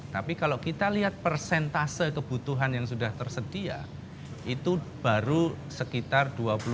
tapi kalau kita lihat persentase kebutuhan yang sudah tersedia itu baru sekitar dua puluh lima dua puluh empat